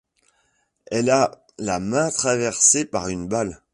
Elle a la main traversée par une balle.